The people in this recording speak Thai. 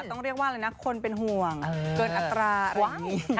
ต้องเรียกว่าอะไรนะคนเป็นห่วงเกินอัตราไหว